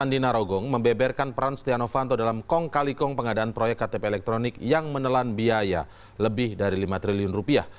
andi narogong membeberkan peran setia novanto dalam kong kali kong pengadaan proyek ktp elektronik yang menelan biaya lebih dari lima triliun rupiah